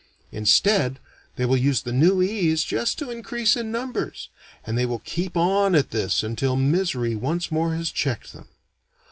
Instead, they will use the new ease just to increase in numbers; and they will keep on at this until misery once more has checked them.